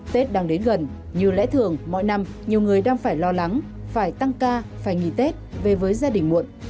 tết đang đến gần như lẽ thường mọi năm nhiều người đang phải lo lắng phải tăng ca phải nghỉ tết về với gia đình muộn